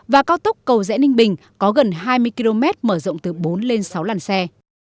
và cao tốc cầu rẽ ninh bình có gần hai mươi km mở rộng từ bốn lên sáu làn xe